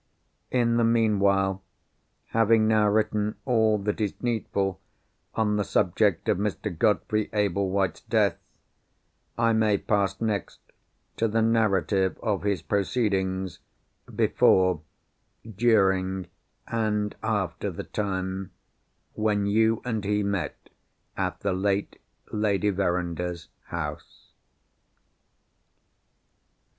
In the meanwhile, having now written all that is needful on the subject of Mr. Godfrey Ablewhite's death, I may pass next to the narrative of his proceedings before, during, and after the time, when you and he met at the late Lady Verinder's house.